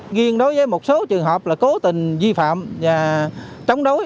nghiên đối với một số trường hợp là cố tình vi phạm và chống đối